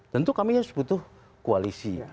tentu kami harus butuh koalisi